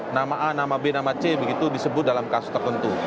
nama a nama b nama c begitu disebut dalam kasus tertentu